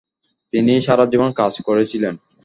তিনি সারা জীবন কাজ করেছিলেন।